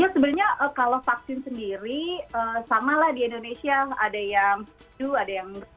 sebenarnya kalau vaksin sendiri sama lah di indonesia ada yang dulu ada yang